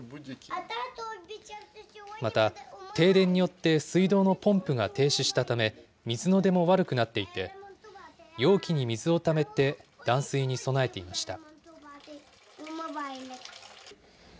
また、停電によって水道のポンプが停止したため、水の出も悪くなっていて、容器に水をためて断水に備えていました。